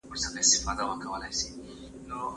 چي زموږ پر خاوره یرغلونه کیږي